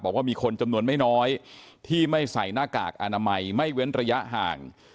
บอกว่ามีคนจำนวนไม่น้อยที่ไม่ใส่หน้ากากอนามัยไม่เว้นระยะห่าง